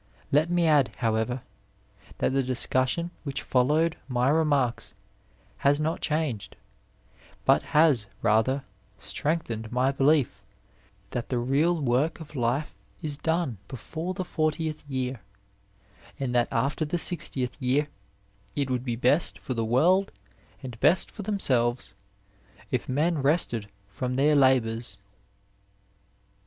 Let me add, however, that the discussion which followed my remarks has not changed, but has rather strengthened my belief that the real work of life is done before the fortieth year and that after the sixtieth year it would be best for the world and best for themselves if men rested from their labours.